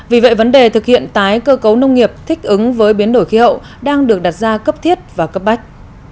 vì vậy vấn đề thực hiện tái cơ cấu nông nghiệp thích ứng với biến đổi khí hậu đang được đặt ra cấp thiết và cấp bách